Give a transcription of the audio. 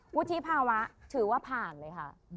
วุฒิภาวะถือว่าผ่านเลยค่ะ